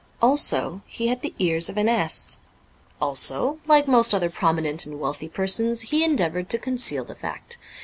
Also, he had the ears of an ass. Also (like most other prominent and wealthy persons), he endeavoured to conceal the fact.